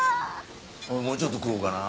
俺もうちょっと食おうかな。